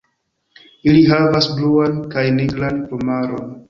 Ili havas bluan kaj nigran plumaron.